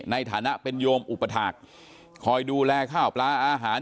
ในฐานะเป็นโยมอุปถาคคอยดูแลข้าวปลาอาหาร